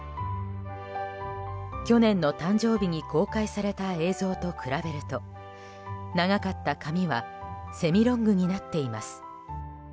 去年の誕生日に公開された映像と比べると長かった髪はセミロングになっています。